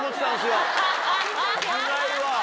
危ないわ。